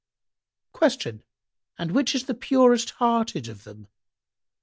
Q " And which is the purest hearted of them?"